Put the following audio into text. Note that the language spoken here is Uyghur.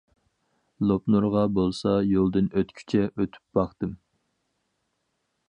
لوپنۇرغا بولسا يولدىن ئۆتكۈچە ئۆتۈپ باقتىم.